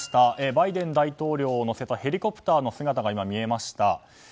バイデン大統領を乗せたヘリコプターの姿が今、見えました。